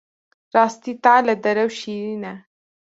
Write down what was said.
Rastî tal e, derew şîrîn e.